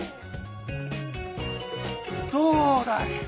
どうだい！